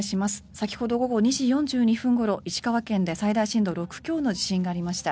先ほど午後２時４２分ごろ石川県で最大震度６強の地震がありました。